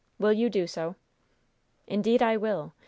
Will you do so?" "Indeed, I will.